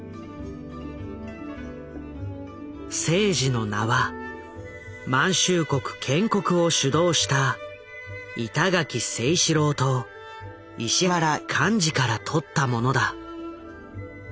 征爾の名は満州国建国を主導した板垣征四郎と石原莞爾からとったものだ。